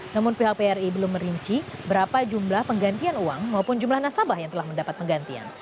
namun pihak bri belum merinci berapa jumlah penggantian uang maupun jumlah nasabah yang telah mendapat penggantian